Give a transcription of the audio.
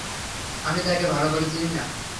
আমি তাকে ভালো করে চিনি না।